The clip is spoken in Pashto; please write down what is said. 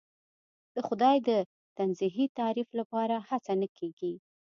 د خدای د تنزیهی تعریف لپاره هڅه نه کېږي.